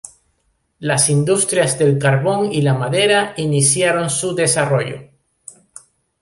Las industrias del carbón y la madera iniciaron su desarrollo.